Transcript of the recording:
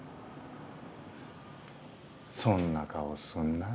そんな顔すんなよ。